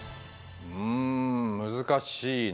うん難しいな。